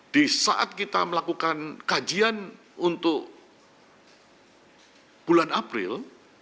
di saat kita melakukan kajian untuk bulan april